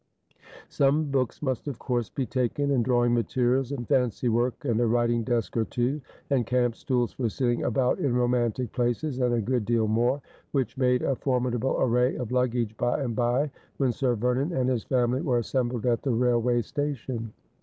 Some books must, of course, be taken, and drawing materials, and fancy work, and a writing desk or two, and camp stools for sitting about in romantic places, and a good deal more, which made a formidable array of luggage by and by when Sir Vernon and his family were assembled at the railway station.